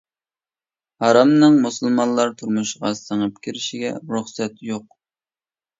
ھارامنىڭ مۇسۇلمانلار تۇرمۇشىغا سىڭىپ كىرىشىگە رۇخسەت يوق.